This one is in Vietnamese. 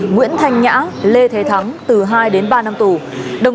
nguyễn thành nhã lê thế thắng